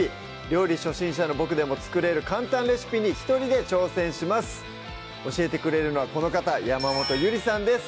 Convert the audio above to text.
料理初心者のボクでも作れる簡単レシピに一人で挑戦します教えてくれるのはこの方山本ゆりさんです